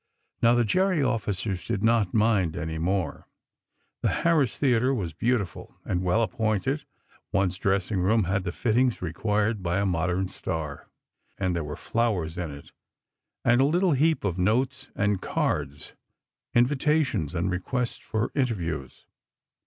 Now, the Gerry officers did not mind any more—the Harris Theatre was beautiful and well appointed—one's dressing room had the fittings required by a modern star. And there were flowers in it, and a little heap of notes and cards—invitations, and requests for interviews.